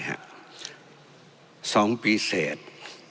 สองปีเสร็จ